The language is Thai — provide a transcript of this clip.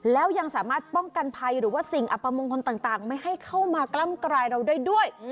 แล้วยังสามารถป้องกันภัยหรือว่าสิ่งอัปมงคลต่างไม่ให้เข้ามากล้ำกลายเราได้ด้วย